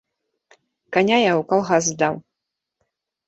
Каня я ў калгас здаў.